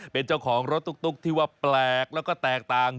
เป็นเจ้าของรถตุ๊กที่ว่าแปลกแล้วก็แตกต่าง